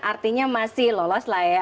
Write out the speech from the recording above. artinya masih lolos lah ya